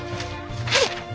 はい！